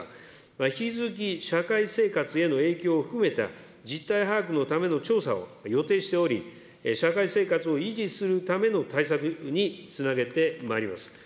引き続き社会生活への影響を含めた実態把握のための調査を予定しており、社会生活を維持するための対策につなげてまいります。